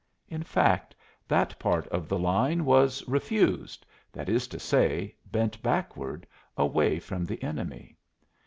In fact, that part of the line was "refused" that is to say, bent backward, away from the enemy.